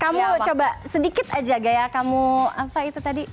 kamu coba sedikit aja gaya kamu apa itu tadi